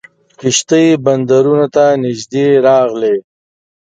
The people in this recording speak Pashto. کښتۍ بندرونو ته نیژدې راغلې.